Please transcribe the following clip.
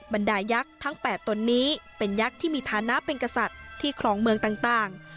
บรรดายักษ์ทั้ง๘ตนนี้เป็นยักษ์ที่มีฐานะเป็นกษัตริย์ที่คลองเมืองต่าง